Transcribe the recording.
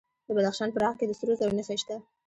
د بدخشان په راغ کې د سرو زرو نښې شته.